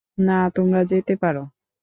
না, তোমরা যেতে পারো।